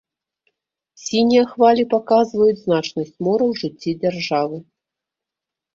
Сінія хвалі паказваюць значнасць мора ў жыцці дзяржавы.